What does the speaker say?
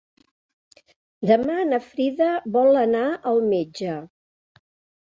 Demà na Frida vol anar al metge.